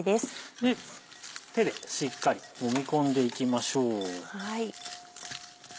手でしっかりもみ込んでいきましょう。